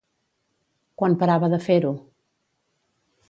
Quan parava de fer-ho?